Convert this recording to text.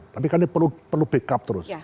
tapi kan ini perlu backup terus